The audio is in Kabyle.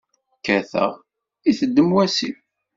Kkateɣ, iteddem wasif.